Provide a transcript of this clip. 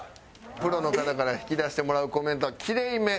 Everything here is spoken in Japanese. プロの方から引き出してもらうコメントは「キレイめ」